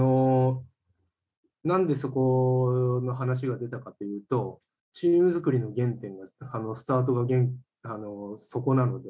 なんでそこの話が出たかというとチーム作りの原点がスタートがそこなので。